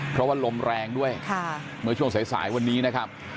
เพราะว่าลมแรงด้วยเมื่อช่วงสายวันนี้นะครับ